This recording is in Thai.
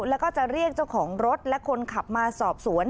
แล้วก็จะเรียกเจ้าของรถและคนขับมาสอบสวน